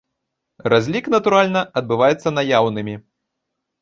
Разлік, натуральна, адбываецца наяўнымі.